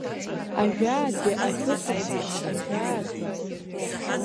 Ажәаатәи ашәышықәса, ажәаатәи!